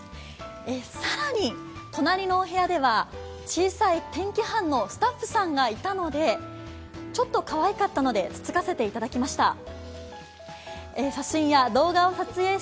更に、隣のお部屋では小さい天気班のスタッフさんがいたのでちょっとかわいかったのでつつかせていただきました。